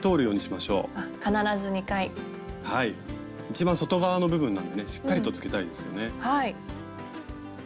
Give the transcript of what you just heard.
一番外側の部分なんでねしっかりとつけたいですよね。